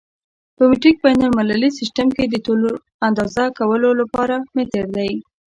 په مټریک بین المللي سیسټم کې د طول اندازه کولو لپاره متر دی.